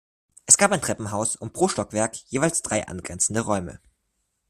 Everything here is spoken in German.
Es gab ein Treppenhaus und pro Stockwerk jeweils drei angrenzende Räume.